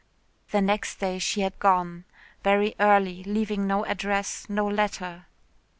The next day she had gone very early, leaving no address, no letter.